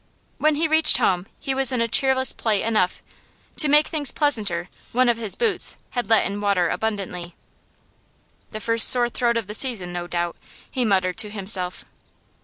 When he reached home he was in cheerless plight enough; to make things pleasanter, one of his boots had let in water abundantly. 'The first sore throat of the season, no doubt,' he muttered to himself.